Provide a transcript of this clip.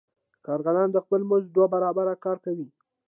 کارګران د خپل مزد دوه برابره کار کوي